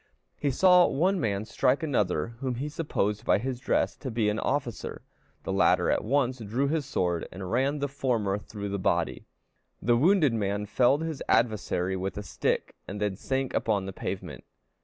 He saw one man strike another whom he supposed by his dress to be an officer; the latter at once drew his sword, and ran the former through the body. The wounded man felled his adversary with a stick, and then sank upon the pavement.